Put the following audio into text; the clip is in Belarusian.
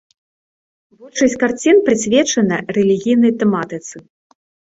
Большасць карцін прысвечана рэлігійнай тэматыцы.